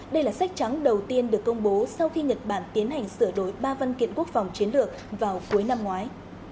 đây là sách trắng đầu tiên được công bố sau khi nhật bản tiến hành sửa đổi ba văn kiện quốc phòng chiến lược vào cuối năm ngoái